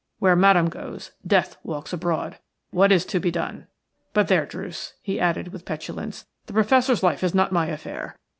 Where Madame goes Death walks abroad. What is to be done? But there, Druce," he added, with petulance, "the Professor's life is not my affair.